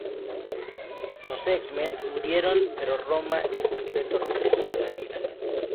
Los X-Men murieron, pero Roma en secreto regresó a la vida.